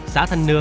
xã thanh nưa